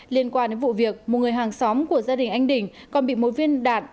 liên quan đến vụ việc một người hàng xóm của gia đình anh đình còn bị một viên đạn